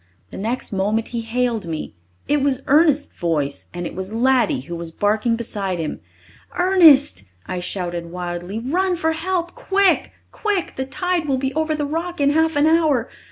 The next moment he hailed me. It was Ernest's voice, and it was Laddie who was barking beside him. "Ernest," I shouted wildly, "run for help quick! quick! The tide will be over the rock in half an hour!